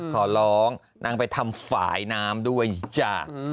ขอร้องนางไปทำฝ่ายน้ำด้วยจ้ะ